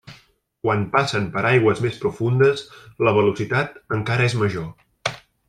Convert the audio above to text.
Quan passen per aigües més profundes, la velocitat encara és major.